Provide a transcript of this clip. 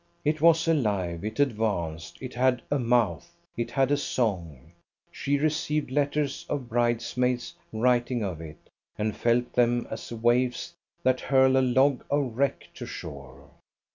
It was alive, it advanced, it had a mouth, it had a song. She received letters of bridesmaids writing of it, and felt them as waves that hurl a log of wreck to shore.